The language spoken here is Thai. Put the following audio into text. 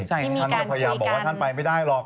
ใช่ท่านก็พยายามบอกว่าท่านไปไม่ได้หรอก